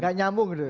gak nyambung gitu ya